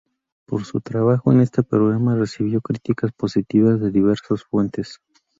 Por su trabajo en este programa recibió críticas positivas de diversas fuentes.